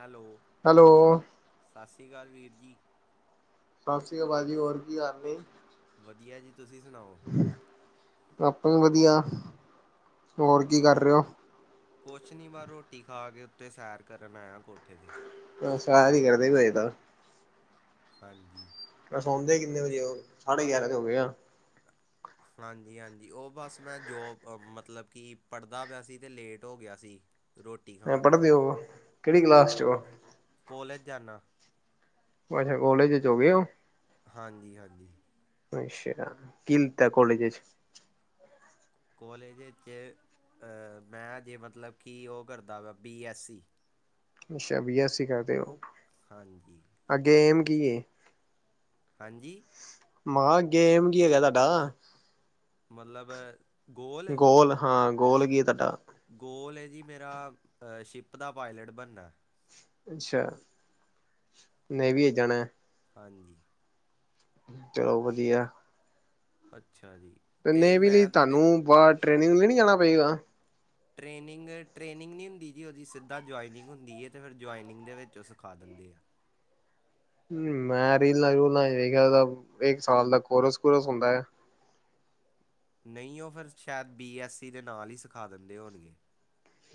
Hello. Hello. ਸਤਿ ਸ਼੍ਰੀ ਅਕਾਲ, ਵੀਰ ਜੀ। ਸਤਿ ਸ੍ਰੀ ਅਕਾਲ, ਭਾਜੀ ਹੋਰ ਕੀ ਹਾਲ ਨੇ। ਵਧੀਆ ਜੀ ਤੁਸੀਂ ਸੁਣਾਓ। ਆਪਾਂ ਵੀ ਵਧੀਆ, ਹੋਰ ਕੀ ਕਰ ਰਹੇ ਹੋ? ਕੁਛ ਨਹੀਂ ਵ ਰੋਟੀ ਖਾ ਕੇ ਉੱਤੇ ਸੈਰ ਕਰਨ ਆਇਆ, ਕੋਠੇ ਤੇ ਆ ਸੈਰ ਹੀ ਕਰਦੇ ਪਏ ਤਾਂ ਹਾਂਜੀ ਫਿਰ ਸੌਂਦੇ ਕਿੰਨੇ ਵਜੇ ਓ, ਸਾਢੇ ਗਿਆਰਾਂ ਤਾਂ ਹੋ ਗਏ ਆ। ਹਾਂਜੀ-ਹਾਂਜੀ, ਉਹ ਬਸ ਮੈਂ ਜੋਬ, ਮਤਲਬ ਕਿ ਪੜ੍ਹਦਾ ਪਿਆ ਸੀ ਅਤੇ ਲੇਟ ਹੋ ਗਿਆ ਸੀ। ਰੋਟੀ ਮੈਂ ਖਾਣ ਤੋਂ। ਪੜ੍ਹਦੇ ਹੋ ਕਿਹੜੀ ਕਲਾਸ ਚ ਹੋ ਕੋਲਜ ਜਾਨਾ। ਅੱਛਾ, ਕੋਲਜ 'ਚ ਹੋ ਗਏ ਓ। ਹਾਂਜੀ- ਹਾਂਜੀ ਅੱਛਾ, ਕੀ ਲੀਤਾ ਕੋਲੇਜ ਇਚ। ਕਲੋਜਇਚ, ਮੈਂ ਜੇ ਮਤਲਬ ਕਿ ਉਹ ਕਰਦਾ ਵਾ, ਬੀ ਐਸ ਸੀ ਅੱਛਾ ਬੀ ਐੱਸ ਸੀ ਕਰਦੇ ਹੋ। ਹਾਂਜੀ। ਅ ਗੇਮ ਕੀ ਏ? ਹਾਂਜੀ। ਮ ਹਾ ਗੇਮ ਕੀ ਹੈਗਾ ਤਾਡਾ? ਮਤਲਬ ਗੋਲ ਹਾਂ, ਗੋਲ ਕੀ ਏ ਤੂਆਡਾ? ਗੋਲ ਏ ਜੀ ਮੇਰਾ ਸ਼ਿਪ ਦਾ ਪਾਏਲਟ ਬਨਨੈ। ਅੱਛਾ, ਨੇਵੀ ਏਚ ਜਾਣੈ। ਹਾਂਜੀ। ਚਲੋ ਵਦੀਐ। ਅੱਛਾ ਜੀ। ਤੇ ਨੇਵੀ ਲਈ ਮੈਂ ਤੁਹਾਡੇ ਧਾਨੂੰ ਬਾਰ ਟ੍ਰੇਨਿੰਗ ਲਈ ਨੀ ਜਾਣਾ ਪਏਗਾ? ਟ੍ਰੇਨਿੰਗ-ਟ੍ਰੇਨਿੰਗ ਨੀ ਹੁੰਦੀ ਜੀ ਓਦੀ ਸਿੱਧਾ ਜੁਆਇਨਿੰਗ ਹੁੰਦੀ ਏ ਤੇ ਫੇਰ ਜੁਆਇਨਿੰਗ ਦੇ ਵੇਚ ਓ ਸਖਾ ਦੇਂਦੇ ਆ। ਮੈਂ ਰੀਲਾਂ-ਰੂਲਾਂ ਚ ਵੇਖੇਆ ਓਦਾ ਏਕ ਸਾਲ ਦਾ ਕੋਰਸ-ਕੁਰਸ ਹੁੰਦੈ। ਨਹੀਂ ਓ ਫੇਰ ਸੈ਼ਦ ਬੀ ਐਸ ਸੀ ਦੇ ਨਾਲ ਈ ਸਖਾ ਦੇਂਦੇ ਹੋਨਗੇ।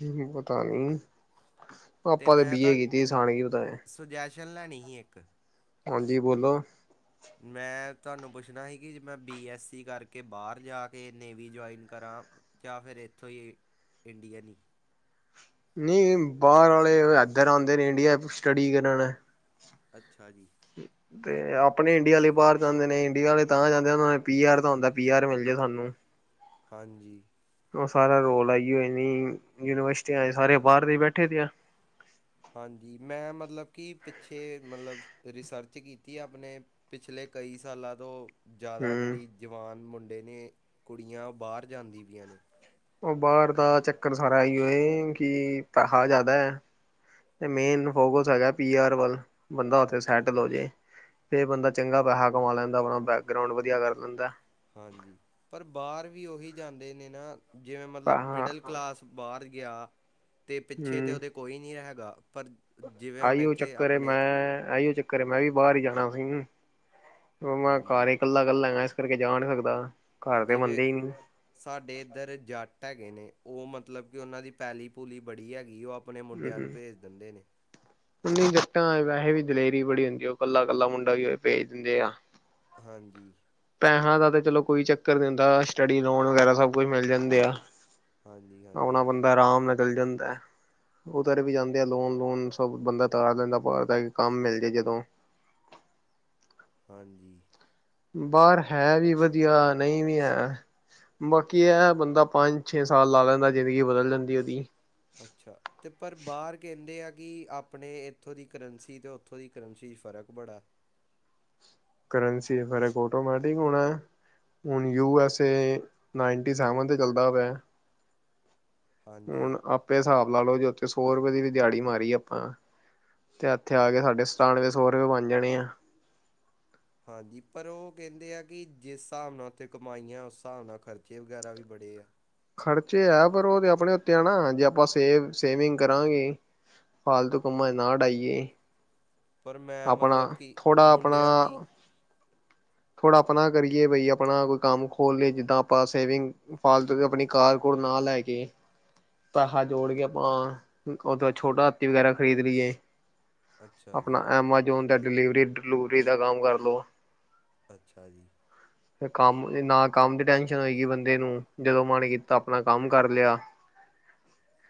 ਹੂੰ, ਪਤਾ ਨੀ, ਆਪਾਂ ਤੇ ਮੈਂ ਬੀ ਏ ਤਾਂ ਕੀਤੀ ਏ ਸਾਣ ਕੀ ਪਤਾ ਐ। ਸੁਜੈਸ਼ਨ ਲੈਣੀ ਹੀ ਇੱਕ? ਹਾਂਜੀ ਬੋਲੋ। [inaudible] ਮੈਂ ਤਾਨੂੰ ਪੁੱਛਣਾ ਸੀ ਕਿ ਜੇ ਮੈਂ ਬੀ ਐਸ ਸੀ ਕਾਰਕੇ ਬਾਰ ਜਾ ਕੇ ਨੇਵੀ ਜੁਆਏਨ ਕਰਾਂ ਜਾਂ ਫੇਰ ਏਥੋਂ ਈ ਇੰਡੀਅਨ ਈ? ਨਹੀਂ ਬਾਰ ਆਲੇ ਏਦੱਰ ਆਂਦੇ ਨੇ, ਇੰਡੀਆ ਚ ਸਟੱਡੀ ਕਰਣ ਅੱਛਾ ਜੀ। ਤੇ ਆਪਣੇ ਇੰਡੀਆ ਅਲੇ ਬਾਰ ਜਾਂਦੇ ਨੇ, ਇੰਡੀਆ ਆਲੇ ਤਾਂ ਜਾਂਦੇਨ ਓਨਾਂਨ ਪੀ ਆਰ ਦਾ ਹੁੰਦੈ, ਪੀ ਆਰ ਮਿਲ ਜੇ ਸਾਨੂੰ। ਹਾਂਜੀ। ਓ ਸਾਰਾ ਰੋਲ ਐਈ ਏ ਨੀ, ਯੂਨੀਵਸਿਟੀਆਂ ਲੇ ਸਾਰੇ ਬਾਰ ਦੇ ਬੈਠੇ ਦੇ ਆਂ। ਹਾਂਜੀ, ਮੈਂ ਮਤਲਬ ਕਿ ਪਿੱਛੇ ਮਤਲਬ ਰਿਸਰਚ ਕੀਤੀ ਅਪਨੇ ਪਿਛਲੇ ਕਈ ਸਾਲਾਂ ਤੋਂ ਜਾਦਾ ਹਮ। ਜੇੜੀ ਜਵਾਨ ਮੁੰਡੇ ਨੇ, ਕੁੜੀਆਂ, ਬਾਰ ਜਾਂਦੀ ਪੀਆਂ ਨੇ। ਓ ਬਾਰ ਦਾ ਚੱਕਰ ਸਾਰਾ ਐਈਓ ਏ ਕਿ ਪੈਹਾ ਜਾਦਾ ਐ, ਤੇ ਮੇਨ ਫੋਕਸ ਹੈਗੈ ਪੀ ਆਰ ਵੱਲ ਬੰਦਾ ਓਥੇ ਅੱਛਾ ਸੈਟਲ ਜੀ ਹੋ ਜੇ, ਫੇਰ ਬੰਦਾ ਚੰਗਾ ਪੈਹਾ ਕਮਾ ਲੈਂਦਾ, ਅਪਣਾ ਬੈਕਰਾਊਂਡ ਵਦੀਆ ਕਾਰ ਲੈਂਦੈ। ਹਾਂਜੀ ਪਰ ਬਾਰ ਵੀ ਓਹੀ ਜਾਂਦੇ ਨੇ ਨਾ, ਜਿਵੇਂ ਮਤਲਬ ਪੈਸਾ ਮਿਡਲ ਕਲਾਸ ਬਾਰ ਗੇਆ ਤੇ ਪਿੱਛੇ ਤੇ ਹਮ ਓਦੇ ਕੋਈ ਨੀ ਹੈਗਾ, ਪਰ ਜਿਵੇਂ ਹੁਣ ਆਈਓ ਇੱਥੇ ਚੱਕਰ ਏ ਆਪਣੇ ਮੈਂ, ਐਈਓ ਚੱਕ ਕਰੇ ਮੈਂ ਵੀ ਬਾਰ ਈ ਜਾਣਾ ਸੀ, ਮੈਂ ਘਾਰ ਹਾਂਜੀ ਇਕੱਲਾ ਕੱਲਾ ਹੈਗਾਂ, ਇਸ ਕਰਕੇ ਜਾ ਨੀ ਸਕਦਾ। ਘਰ ਦੇ ਜਿਵੇ ਮੰਨਦੇ ਹੀ ਨੀ ਸਾਡੇ ਇੱਧਰ ਜੱਟ ਹੈਗੇ ਨੇ, ਓ ਮਤਲਬ ਕਿ ਓਨਾਂ ਦੀ ਪੈਲੀ-ਪੂਲੀ ਬੜੀ ਹੈਗੀ ਏ, ਓ ਅਪ ਅਪਣੇ ਮੁੰਡੇਆਂ ਨੂੰ ਭੇਜ ਦੇਂਦੇ ਨੇ। ਉਂਜ ਜੱਟਾਂ ਚ ਵੈਹੇ ਵੀ ਦਲੇਰੀ ਬੜੀ ਹੁੰਦੀ ਐ, ਓ ਕੱਲਾ-ਕੱਲਾ ਮੁੰਡਾ ਵੀ ਹੋਏ ਭੇਜ ਦੇਂਦੇ ਆ। ਹਾਂਜੀ। ਪੈਹਾਂ ਦਾ ਤੇ ਚਲੋ ਕੋਈ ਚੱਕਰ ਨੀ ਹੁੰਦਾ, ਸਟੱਡੀ ਲੋਨ ਵਗੈਰਾ ਸਬ ਕੁੱਛ ਮਿਲ ਜਾਂਦੇ ਆ। ਹਾਂਜੀ ਅਪਣਾ ਹਾਂਜੀ ਬੰਦਾ ਰਾਮ ਨਾਲ ਚਲ ਜਾਂਦੈ, ਉਤਰ ਵੀ ਜਾਂਦੇ ਆ ਲੋਨ-ਲੂਨ ਸਬ ਬੰਦਾ ਤਾਰ ਲੈਂਦੈ, ਬਾਰ ਜਾ ਕੇ ਕਾੰਮ ਮਿਲ ਜੇ ਜਦੋਂ। ਹਾਂਜੀ। ਬਾਰ ਹੈ ਵੀ ਵਦੀਆ, ਨਹੀ ਵੀ ਹੈ। ਬਾਕੀ ਐ ਬੰਦਾ ਪਾੰਜ-ਛੇ ਸਾਲ ਲਾ ਲੈਂਦੈ, ਜ਼ਿੰਦਗੀ ਬਦਲ ਜਾਂਦੀ ਓਦੀ। ਅੱਛਾ। ਤੇ ਪਰ ਬਾਰ ਕੈਂਦੇ ਆ ਕਿ ਆਪਣੇ ਏਥੋਂ ਦੀ ਕਰੰਸੀ ਤੇ ਓਥੋਂ ਦੀ ਕਰੰਸੀ ਚ ਫ਼ਰਕ ਬੜੈ? ਕਰੰਸੀ 'ਚ ਫਰਕ ਅਔਟੋਮੈਟਿਕ ਹੋਣਾ। ਹੁਣ U S A ninety seven 'ਤੇ ਚੱਲਦਾ ਪਿਆ। ਹਾਂਜੀ ਹੁਣ ਆਪੇ ਹਿਸਾਬ ਲਾ ਲਓ, ਜੇ ਉੱਥੇ ਸੌ ਰੁਪਏ ਦੀ ਵੀ ਦਿਹਾੜੀ ਮਾਰੀ ਆਪਾਂ ਤੇ ਇੱਥੇ ਆ ਕੇ ਸਾਡੇ [unintelligible] ਦੇ ਸੋ ਰੁਪਏ ਬਣ ਜਾਣੇ ਆ। ਹਾਂਜੀ, ਪਰ ਉਹ ਕਹਿੰਦੇ ਆ ਕਿ ਜਿਸ ਹਿਸਾਬ ਨਾਲ ਉੱਥੇ ਕਮਾਈਆਂ, ਉਸ ਹਿਸਾਬ ਨਾਲ ਖਰਚੇ ਵਗੈਰਾ ਵੀ ਬੜੇ ਆ। ਖਰਚੇ ਐ, ਪਰ ਉਹ ਤੇ ਆਪਣੇ ਉੱਤੇ ਆ ਨਾ ਜੇ ਆਪਾਂ ਸੇਵ ਸੇਵਿੰਗ ਕਰਾਂਗੇ। ਫਾਲਤੂ ਕੰਮਾ ਚ ਨਾ ਡਾਈਏ। ਪਰ ਮੈਂ ਆਪਣਾ, ਮਤਲਬ ਕਿ ਥੋੜ੍ਹਾ ਆਪਣਾ ਮੁੰਡਿਆਂ ਦੀ ਥੋੜ੍ਹਾ ਆਪਣਾ ਕਰੀਏ, ਬਈ ਆਪਣਾ ਕੋਈ ਕੰਮ ਖੋਲ੍ਹ ਲਏ, ਜਿੱਦਾਂ ਆਪਾਂ ਸੇਵਿੰਗ ਫਾਲਤੂ ਕੇ ਆਪਣੀ ਕਾਰ ਕੋਲ ਨਾ ਲੈ ਕੇ ਪੈਹਾ ਜੋੜ ਕੇ ਆਪਾਂ ਉਦੋਂ ਛੋਟਾ ਹੱਥੀ ਵਗੈਰਾ ਖਰੀਦ ਲਈਏ। ਅੱਛਾ ਜੀ। ਆਪਣਾ ਐਮਾਜੋਨ ਦਾ ਡਿਲੀਵਰੀ ਡਿਲੂਵਰੀ ਦਾ ਕੰਮ ਕਰ ਲੋੋ। ਅੱਛਾ ਜੀ। ਕੰਮ ਨਾ ਕੰਮ ਦੀ ਟੈਨਸ਼ਨ ਹੋਏਗੀ ਬੰਦੇ ਨੂੰ, ਜਦੋਂ ਮਨ ਕੀਤਾ ਆਪਣਾ ਕੰਮ ਕਰ ਲਿਆ।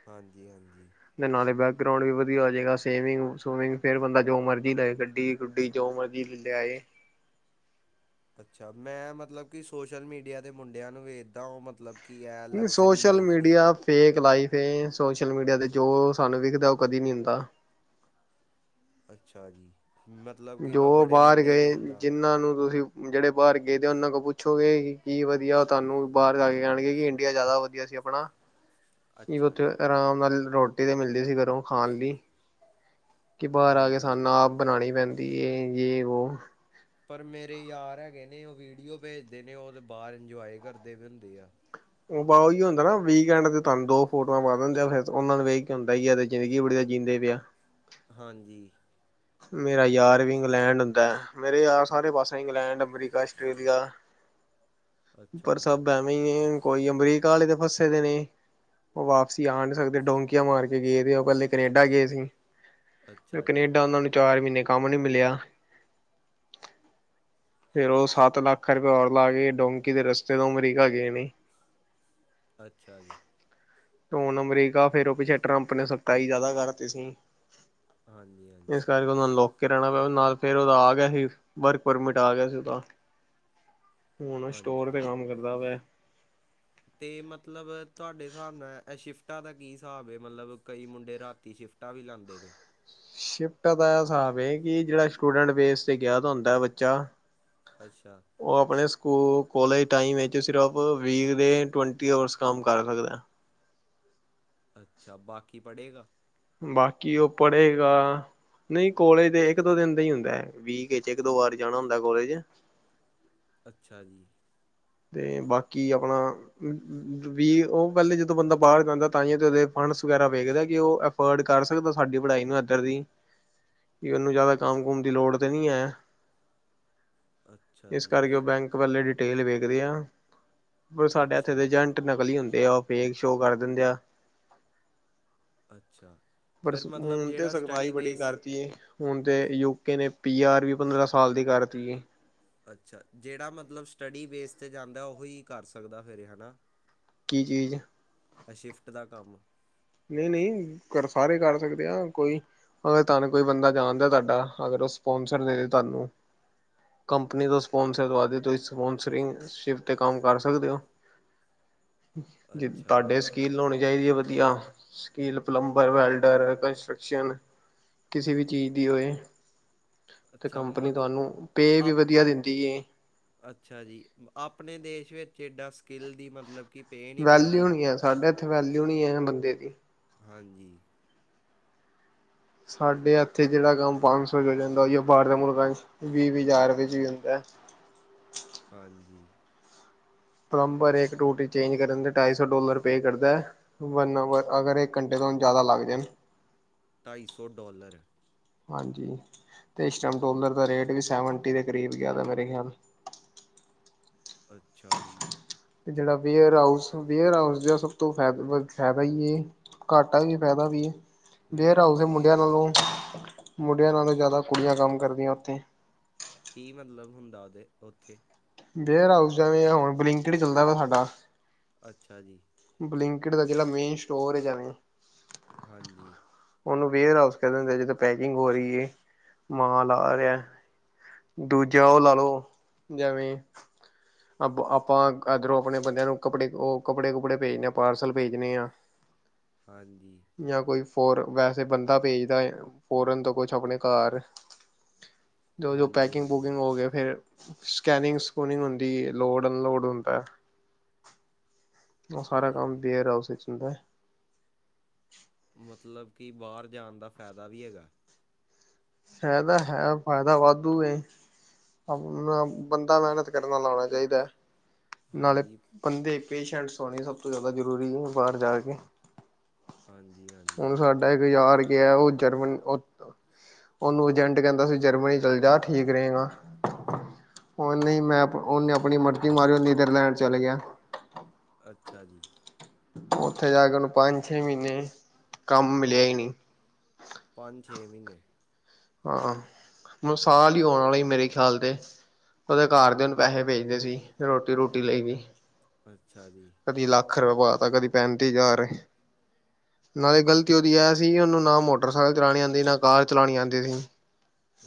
ਹਾਂਜੀ, ਹਾਂਜੀ। ਨਾਲੇ ਬੈਕਗਰਾਉਂਡ ਵੀ ਵਧੀਆ ਹੋ ਜੇਗਾ, ਸੇਵਿੰਗ-ਸੁਵਿੰਗ, ਫਿਰ ਬੰਦਾ ਜੋ ਮਰਜ਼ੀ ਲਏ, ਗੱਡੀ ਗੁੱਡੀ ਜੋੋ ਮਰਜੀ ਲਿਆਏ। ਅੱਛਾ, ਮੈਂ ਮਤਲਬ ਕਿ ਸੋਸ਼ਲ ਮੀਡੀਆ ਦੇ ਮੁੰਡਿਆਂ ਨੂੰ ਵੇਖਦਾ, ਉਹ ਮਤਲਬ ਕੀ ਏ, ਲਗਜ਼ਰੀ ਸੋਸ਼ਲ ਲਾਈਫ ਦੀ। ਮੀਡੀਆ ਫੇਕ ਲਾਈਫ ਏ ਸੋਸ਼ਲ ਮੀਡੀਆ ਤੇ, ਜੋ ਸਾਨੂੰ ਵਿਖਦਾ ਉਹ ਕਦੇ ਨਹੀਂ ਹੁੰਦਾ। ਅੱਛਾ ਜੀ। ਮਤਲ ਜੋ ਬਾਹਰ ਗਏ, ਜਿੰਨਾਂ ਨੂੰ ਤੁਸੀਂ, ਜਿਹੜੇ ਬਾਹਰ ਗਏ, ਉਹਨਾਂ ਕੋਲ ਪੁੱਛੋਗੇ ਵੀ ਕੀ ਵਧੀਆ, ਉਹ ਤੁਹਾਨੂੰ ਬਾਹਰ ਜਾ ਕੇ ਜਾਣਗੇ, ਕਿ ਇੰਡੀਆ ਜ਼ਿਆਦਾ ਵਧੀਆ ਸੀ ਆਪਣਾ। ਕੀ ਅੱਛਾ ਉੱਥੇ ਜੀ ਆਰਾਮ ਨਾਲ ਰੋਟੀ ਤੇ ਮਿਲਦੀ ਸੀ, ਘਰੋਂ ਖਾਣ ਲਈ। ਕਿ ਬਾਹਰ ਆ ਕੇ ਹਾਂਜੀ ਸਾਨੂੰ ਆਪ ਬਣਾਣੀ ਪੈਂਦੀ ਏ, ਜੇ ਉਹੋ ਪਰ ਮੇਰੇ ਯਾਰ ਹੈਗੇ ਨੇ, ਉਹ ਵੀਡੀਓ ਭੇਜਦੇ ਨੇ, ਉਹ ਤਾਂ ਬਾਹਰ ਇੰਜੋਏ ਕਰਦੇ ਹੁੰਦੇ ਆ। ਉਹ ਬ ਉਹੀ ਹੁੰਦਾ ਨਾ, ਵੀਕਐਂਡ ਤੇ ਤੁਹਾਨੂੰ ਦੋ ਫੋਟੋਆਂ ਪਾ ਦਿੰਦੇ ਆ, ਫਿਰ ਉਹਨਾ ਨੂੰ ਵੇਖ ਕੇ ਹੁੰਦਾ ਈ ਏ। ਜ਼ਿੰਦਗੀ ਬੜੀਆ ਦਾ ਜੀਂਦੇ ਪਏ ਆ। ਹਾਂਜੀ। ਮੇਰਾ ਯਾਰ ਵੀ ਇੰਗਲੈਂਡ ਹੁੰਦਾ, ਮੇਰੇ ਯਾਰ ਸਾਰੇ ਪਾਸੇ ਇੰਗਲੈਂਡ, ਅਮਰੀਕਾ, ਆਸਟ੍ਰੇਲੀਆ [inaudible] ਅੱਛਾ ਪਰ ਜੀ ਸਭ ਐਵੇਂ ਈ ਏ, ਕੋਈ ਅਮਰੀਕਾ ਆਲੇ ਤੇ ਫਸੇ ਦੇ ਨੇ। ਉਹ ਵਾਪਸੀ ਆ ਨਹੀਂ ਸਕਦੇ, ਡੋਂਕੀਆਂ ਮਾਰ ਕੇ ਗਏ ਵੇ ਉਹ ਪਹਿਲੇ। ਕਨੇਡਾ ਗਏ ਸੀ, ਤੇ ਅੱਛਾ ਜੀ ਕਨੇਡਾ ਉਹਨਾਂ ਨੂੰ ਚਾਰ ਮਹੀਨੇ ਕੰਮ ਨੀ ਮਿਲਿਆ। ਫੇਰ ਉਹ ਸੱਤ ਲੱਖ ਰੁਪਏ ਔਰ ਲਾ ਕੇ, ਡੋਂਕੀ ਦੇ ਰਸਤੇ ਤੋਂ ਅਮਰੀਕਾ ਗਏ ਨੇ। ਅੱਛਾ ਜੀ। ਤੇ ਹੁਣ ਅਮਰੀਕਾ, ਫੇਰ ਉਹ ਪਿੱਛੇ ਟਰੰਪ ਨੇ ਸਖਤਾਈ ਜ਼ਿਆਦਾ ਕਰਤੀ ਸੀ। ਹਾਂਜੀ, ਹਾਂਜੀ। ਉਹਨੂੰ ਲੁਕ ਕੇ ਰਹਿਣਾ ਪਿਆ ਨਾਲ, ਫੇਰ ਉਹਦਾ ਆ ਗਿਆ ਸੀ, ਵਰਕ ਪਰਮਿਟ ਆ ਗਿਆ ਸੀ ਉਹਦਾ। ਹੁਣ ਸਟੋਰ ਤੇ ਹਾਂਜੀ ਕੰਮ ਕਰਦਾ ਵੇ ਤੇ ਮਤਲਬ ਤੁਹਾਡੇ ਹਿਸਾਬ ਨਾਲ ਇਹ ਸ਼ਿਫਟਾਂ ਦਾ ਕੀ ਸਾਬ ਏ, ਮਤਲਬ ਕਈ ਮੁੰਡੇ ਰਾਤੀ ਸ਼ਿਫਟ ਫਟਾ ਵੀ ਲਾਦੇ ਨੇ। ਸ਼ਿਫਟਾ ਦਾ ਇਹ ਹਿਸਾਬ ਏ, ਕਿ ਜਿਹੜਾ ਸਟੂਡੈਂਟ ਬੇਸ ਤੇ ਗਿਆ ਤਾਂ ਹੁੰਦਾ ਬੱਚਾ ਅੱਛਾ। ਉਹ ਆਪਣੇ ਸਕੂਲ-ਕੋਲਜ ਟਾਈਮ ਵਿਚ ਸਿਰਫ ਵੀਕ ਦੇ ਟਵਣਟੀ ਅਵਰਸ ਕੰਮ ਕਰ ਸਕਦਾ। ਅੱਛਾ, ਬਾਕੀ ਪੜੇਗਾ। ਬਾਕੀ, ਉਹ ਪੜੇਗਾ। ਨਹੀਂ ਕੋਲੇਜ ਦੇ ਇੱਕ ਦੋ ਦਿਨ ਦਾ ਹੀ ਹੁੰਦਾ, ਵੀਕ ਵਿਚ ਇਕ ਦੋ ਵਾਰ ਜਾਣਾ ਹੁੰਦਾ ਕੋਲੇਜ। ਅੱਛਾ ਜੀ। ਤੇ ਬਾਕੀ ਆਪਣਾ ਵੀ ਉਹ ਪਹਿਲੇ ਜਦੋਂ ਬੰਦਾ ਬਾਹਰ ਜਾਂਦਾ, ਤਾਂਹੀਦੇ ਫੰਡਸ ਵਗੈਰਾ ਵੇਖਦਾ ਕਿ ਉਹ ਅਫੋਰਡ ਕਰ ਸਕਦਾ ਸਾਡੀ ਪੜ੍ਹਾਈ ਨੂੰ ਇੱਧਰ ਦੀ। [inaudible] ਵੀ ਉਹਨੂੰ ਜ਼ਿਆਦਾ ਕੰਮ ਕੁਮ ਦੀ ਲੋੜ ਤੇ ਨਹੀਂ ਹੈ। ਅੱਛਾ ਇਸ ਜੀ ਕਰਕੇ ਉਹ ਇਹ ਬੈਂਕ ਵਲੇ ਡਿਟੇਲ ਵੇਖਦੇ ਆ, ਪਰ ਸਾਡੇ ਇੱਥੇ ਦੇ ਅੱਛਾ ਏਜੰਟ ਨਕਲੀ ਹੁੰਦੇ ਆ, ਉਹ ਫੇਕ ਸ਼ੋ ਕਰ ਦਿੰਦੇ ਆ। ਅੱਛਾ। ਪਰ ਫਿਰ ਮਤਲਬ ਹੁਣ ਤੇ ਜਿਹੜਾ ਸਖਵਾਈ ਸਟੱਡੀ ਬੜੀ ਬੇਸ ਕਰਤੀ ਏ। ਹੁਣ ਤੇ ਯੂਕੇ ਨੇ ਪੀ ਆਰ ਵੀ ਪੰਦਰਾਂ ਸਾਲ ਦੀ ਕਰਤੀ। ਅੱਛਾ। ਜਿਹੜਾ ਮਤਲਬ ਸਟੱਡੀ ਬੇਸ 'ਤੇ ਜਾਂਦਾ, ਉਹੀ ਕਰ ਸਕਦਾ ਫਿਰ ਹੈਨਾ। ਕੀ ਚੀਜ਼। ਸ਼ਿਫਟ ਦਾ ਕੰਮ ਨਹੀਂ- ਨਹੀਂ ਅਗਰ ਸਾਰੇ ਕਰ ਸਕਦੇ ਆ, ਕੋਈ ਅਗਰ ਤੁਹਾਨੂੰ ਕੋਈ ਬੰਦਾ ਜਾਣਦਾ ਤੁਹਾਡਾ, ਅਗਰ ਉਹ ਸਪੋਂਸਰ ਦੇ ਤੁਹਾਨੂੰ। ਕੰਪਨੀ ਤੋਂ ਸਪੋਂਸਰ ਦਵਾ ਦਿ ਤੁਸੀਂ ਸਪੋਂਸਰਿੰਗ ਸ਼ਿਪ 'ਤੇ ਕੰਮ ਕਰ ਸਕਦੇ ਹੋ। [inaudible] ਜੇ ਅੱਛਾ ਜੀ ਤੁਹਾਡੇ ਸਕੀਲ ਲਾਉਣੀ ਚਾਹੀਦੀ ਹੈ ਵਧੀਆ। Skill plumber, welder, construction. ਕਿਸੇ ਵੀ ਚੀਜ਼ ਦੀ ਹੋਏ, ਅਤੇ ਅੱਛਾ ਕੰਪਨੀ ਮਤਲਬ ਤੁਹਾਨੂੰ ਪੇ ਵੀ ਆਪ ਵਧੀਆ ਦਿੰਦੀ। ਅੱਛਾ ਜੀ। ਆਪਣੇ ਦੇਸ਼ ਵਿੱਚ ਏਡਾ ਸਕਿੱਲ ਦੀ ਮਤਲਬ ਕਿ ਪੇ ਨਹੀਂ ਮਿਲਦੀ ਵੈਲਿਊ ਨੀ ਹੈ, ਸਾਡੇ ਇੱਥੇ ਵੈਲਿਊ ਨੀ ਹੈ ਬੰਦੇ ਦੀ। ਹਾਂਜੀ। ਸਾਡੇ ਇੱਥੇ ਜਿਹੜਾ ਕੰਮ ਪੰਜ ਸੌ ' ਹੋ ਜਾਂਦਾ ਜ ਉਹ ਬਾਹਰ ਦੇ ਮੁਲਕਾਂ 'ਚ ਵੀਹ- ਵੀਹ ਹਜ਼ਾਰ ਵਿੱਚ ਚ' ਵੀ ਹੁੰਦਾ। ਹਾਂਜੀ। ਪਲੰਬਰ ਇੱਕ ਟੂਟੀ ਚੇਂਜ ਕਰਨ ਦੇ ਢਾਈ ਸੌ ਡੋਾਲਰ ਪੇ ਕਰਦਾ ਹੈ। ਵਨ ਆਵਰ, ਅਗਰ ਘੰਟੇ ਤੋਂ ਹੁਣ ਜ਼ਿਆਦਾ ਲੱਗ ਜਾਣ। ਢਾਈ ਸੌ ਡਾਲਰ। ਹਾਂਜੀ। ਤੇ ਇਸ ਟਾਈਮ ਡੋਲਰ ਦਾ ਰੇਟ ਵੀ ਸੈਵਨਟੀ ਦੇ ਕਰੀਬ ਜ਼ਿਆਦਾ ਮੇਰੇ ਖਿਆਲ। ਅੱਛਾ ਜੀ। ਤੇ ਜਿਹੜਾ ਵੇਅਰ ਹਊਸ, ਵੇਅਰਹਾਊਸ ਜ ਸਭ ਤੋਂ ਫ- ਫਾਇਦਾ ਹੀ ਹੈ। ਘਾਟਾ ਵੀ, ਫਾਇਦਾ ਵੀ, ਵੇਅਰ ਵੇਅਰਹਾਾਊਸ ਹਾਊਸ ਦੇ ਕੀ ਮੁੰਡਿਆਂ ਹੁੰਦਾ ਨਾਲੋਂ ਮੁੰਡਿਆਂ ਨਾਲੋਂ ਜ਼ਿਆਦਾ ਕੁੜੀਆਂ ਕੰਮ ਕਰਦੀਆਂ ਉੱਥੇ। ਕੀ ਮਤਲਬ ਹੁੰਦਾ ਉਹਦੇ, ਉੱਥੇ। ਵੇਅਰਹਾਾਊਸ ਜਾਵੇਂ, ਹੁਣ ਬਲਿੰਕੜ ਹੀ ਚੱਲਦਾ ਵਾ ਸਾਡਾ। ਅੱਛਾ ਜੀ। ਬਲਿੰਕਟ ਦਾ ਜਿਹੜਾ ਮੇਨ ਸਟੋਰ ਹੈ ਜੇਵੇ ਹਾਂਜੀ। ਉਹਨੂੰ ਵੇਅਰ ਹਾਊਸ ਕਹਿ ਦ ਹੁੰਦੇ ਜਦੋਂ ਪੈਕਿੰਗ ਹੋ ਰਹੀ ਹੈ, ਮਾਲ ਆ ਰਿਹਾ। ਦੂਜਾ ਉਹ ਲਾ ਲਓ, ਜਿਵੇਂ ਆਪਾਂ ਇਦਰਰੋਂ ਆਪਣੇ ਬੰਦਿਆਂ ਨੂੰ ਕੱਪੜੇ, ਉਹ ਕੱਪੜੇ- ਕੁੱਪੜੇ ਭੇਜਦੇ ਹਾਂ, ਪਾਰਸਲ ਭੇਜਣੇ ਹਾਂ। ਹਾਂਜੀ। ਜਾਂਆ ਕੋਈ ਫਰ, ਵੈਸੇ ਬੰਦਾ ਭੇਜਦਾ ਫੋੌਰਨ ਤੋਂ ਕੁਛ ਆਪਣੇ ਘਰ। [inaudible] ਜੋ, ਜੋ ਪੈਕਿੰਗ -ਪੂਕਿੰਗ ਹਾਂਜੀ ਹੋ ਗਏ ਫੇਰ, ਸਕੈਨਿੰਗ -ਸਕੂਨਿੰਗ ਹੁੰਦੀ, ਲੋਡ -ਅਨਲੋਡ ਹੁੰਦਾ। ਉਹ ਸਾਰਾ ਠੀਕ ਕੰਮ ਹੈ ਬੇਅਰਹਾਾਊਸ ਵਿੱਚ ਹੁੰਦਾ। ਮਤਲਬ ਕਿ ਬਾਹਰ ਜਾਣ ਦਾ ਫਾਇਦਾ ਵੀ ਹੈਗਾ। ਇਹ ਹੈ ਤਾਂ ਹੈ, ਫਾਇਦਾ ਵਾਧੂ ਏ। ਆਪ ਬੰਦਾ ਮਿਹਨਤ ਕਰਨ ਵਾਲਾ ਹੋਣਾ ਚਾਹੀਦੈ। ਨਾਲੇ ਹਾਂਜੀ ਬੰਦੇ ਪੇਸ਼ੈਂਟਸ ਹੋਣੇ ਸਭ ਤੋਂ ਜ਼ਿਆਦਾ ਜ਼ਰੂਰੀ ਹੈ ਬਾਹਰ ਜਾ ਕੇ। ਹਾਂਜੀ ਹਾਂਜੀ। ਇਕ ਯਾਰ ਗਿਆ ਉਹ ਜਰਮਨ ਉਹਨੂੰ ਏਜੰਟ ਕਹਿੰਦਾ ਸੀ ਜਰਮਨੀ ਚੱਲ ਜਾ ਠੀਕ ਰਹੇਗਾ ਉਹ ਨਹੀਂ ਮੈਂ ਉਹਨੇ ਆਪਣੀ ਮਰਜ਼ੀ ਮਾਰੀ ਉਹ ਨੀਦਰਲੈਂਡ ਚਲ ਗਿਆ। ਅੱਛਾ ਜੀ। ਉੱਥੇ ਜਾ ਕੇ ਉਹਨੂੰ ਪੰਜ ਛੇ ਮਹੀਨੇ ਕੰਮ ਮਿਲਿਆ ਹੀ ਨਹੀਂ। ਪੰਜ ਛੇ ਮਹੀਨੇ। ਹਾਂ ਮ ਸਾਲ ਹੀ ਹੋਣ ਵਾਲਾ ਮੇਰੇ ਖਿਆਲ ਤੇ। ਉਹਦੇ ਘਰਦਿਆ ਨੂੰ ਪੈਸੇ ਭੇਜਣੇ ਸੀ ਰੋਟੀ ਰੂਟੀ ਲਈ ਵੀ ਅੱਛਾ ਜੀ ਕਦੀ ਲੱਖ ਰੁਪਏ ਪਾ ਤਾ ਕਦੀ ਪੈਂਤੀ ਹਜ਼ਾਰ ਨਾਲੇ ਗ਼ਲਤੀ ਉਹਦੀ ਇਹ ਸੀ ਉਹਨੂੰ ਨਾ ਮੋਟਰ [unintelligible] ਚਲਾਣੀ ਆਉਂਦੀ ਨਾ ਕਾਰ ਚਲਾਉਣੀ ਆਉਂਦੀ ਸੀ।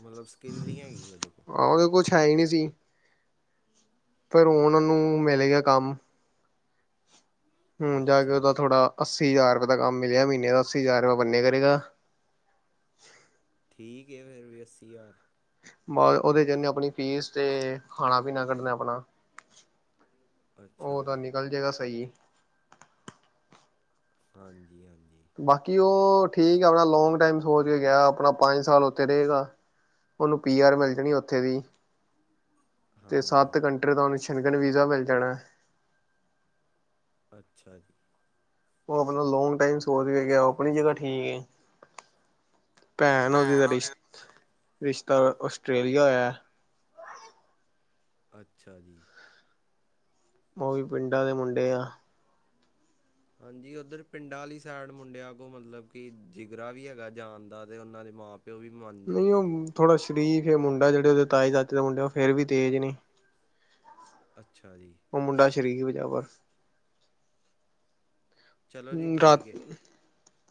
ਮਤਲਬ ਸਕਿੱਲ ਨਹੀਂ ਹੈਗੀ ਉਹਦੇ ਕੋਲ। ਆਹੋ ਉਹਦੇ ਕੁਛ ਹੈ ਹੀ ਨਹੀਂ ਸੀ। ਫਿਰ ਉਹਨਾਂ ਨੂੰ ਮਿਲ ਗਿਆ ਕੰਮ ਕੋਲ ਹੁਣ ਜਾ ਕੇ ਉਹਦਾ ਅੱਛਾ ਥੋੜਾ ਅੱਸੀ ਹਜ਼ਾਰ ਰੁਪਏ ਦਾ ਕੰਮ ਮਿਲਿਆ ਮਹੀਨੇ ਦਾ ਅੱਸੀ ਹਜ਼ਾਰ ਰੁਪਏ ਬੰਨੇ ਕਰੇਗਾ। ਠੀਕ ਹੈ ਫੇਰ ਵੀ ਅੱਸੀ ਹਜ਼ਾਰ। ਬ ਉਹਦੇ ਚ ਉਹਨੇ ਆਪਣੀ ਫੀਸ ਤੇ ਖਾਣਾ ਪੀਣਾ ਕੱਢਣਾ ਆਪਣਾ ਅੱਛਾ ਉਹਦਾ ਜੀ ਨਿਕਲ ਜੇਗਾ ਸਹੀ। ਹਾਂਜੀ ਹਾਂਜੀ। ਬਾਕੀ ਉਹ ਠੀਕ ਆ ਆਪਣਾ ਲੋਂਗ ਟਾਈਮ ਸੋਚ ਕੇ ਗਿਆ ਆਪਣਾ ਪੰਜ ਸਾਲ ਉੱਥੇ ਰਹੇਗਾ। ਉਹਨੂੰ ਪੀ ਆਰ ਮਿਲ ਜਾਣੀ ਉੱਥੇ ਦੀ। ਤੇ ਹਾਂਜੀ ਸੱਤ ਕੰਟਰੀ ਦਾ ਉਹਨੂੰ [unintelligible] ਵੀਜ਼ਾ ਮਿਲ ਜਾਣਾ। ਅੱਛਾ ਜੀ। ਉਹ ਆਪਣਾ ਲੋਂਗ ਟਾਈਮ ਸੋਚ ਕੇ ਗਿਆ ਆਪਣੀ ਜਗ੍ਹਾ ਠੀਕ ਹੈ। ਭੈਣ ਉਹਦੀ ਦਾ ਹਾਂਜੀ ਰਿਸ਼ ਰਿਸ਼ਤਾ ਆਸਟ੍ਰੇਲੀਆ ਹੋਇਆ ਅੱਛਾ ਜੀ। ਉਹ ਵੀ ਪਿੰਡਾਂ ਦੇ ਮੁੰਡੇ ਆ। ਹਾਂਜੀ ਉੱਧਰ ਪਿੰਡਾਂ ਵਾਲੀ ਸਾਈਡ ਮੁੰਡਿਆਂ ਕੋਲ ਮਤਲਬ ਕਿ ਜਿਗਰਾ ਵੀ ਹੈਗਾ ਜਾਣ ਦਾ ਤੇ ਉਹਨਾਂ ਦੇ ਮਾਂ ਪਿਓ ਵੀ ਮੰਨ ਨਹੀਂ ਜਾਂਦੇ ਉਹ ਨੇ ਥੋੜਾ ਸਰੀਫ ਮੁੰਡਾ ਜਿਹੜੇ ਉਹਦੇ ਤਾਏ ਤਾਚੇ ਦੇ ਮੁੰਡੇ ਉਹ ਫੇਰ ਵੀ ਤੇਜ ਨੇ। ਅੱਛਾ ਜੀ। ਉਹ ਮੁੰਡਾ ਸ਼ਰੀਫ ਆ ਪਰ। ਚਲੋ ਜੀ ਰਾਤ ਠੀਕ ਹੈ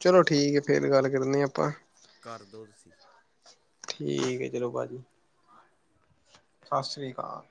ਚਲੋ ਠੀਕ ਹੈ ਫੇਰ ਗੱਲ ਕਰਨੇ ਆ ਆਪਾਂ। ਕਰ ਦੋ ਤੁਸੀ। ਠੀਕ ਹੈ ਚਲੋ ਭਾਜੀ। ਸਤਿ ਸ੍ਰੀ ਅਕਾਲ।